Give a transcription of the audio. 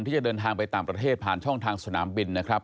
ที่จะเดินทางไปต่างประเทศผ่านช่องทางสนามบินนะครับ